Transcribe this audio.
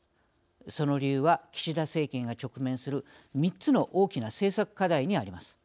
その理由は、岸田政権が直面する３つの大きな政策課題にあります。